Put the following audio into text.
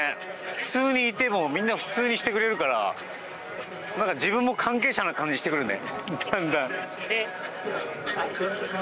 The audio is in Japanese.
普通にいてもみんな普通にしてくれるから自分も関係者の感じがしてくるね。